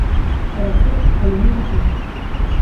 Карацей, калі мы маглі.